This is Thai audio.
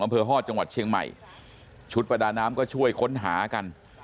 อำเภอฮอตจังหวัดเชียงใหม่ชุดประดาน้ำก็ช่วยค้นหากัน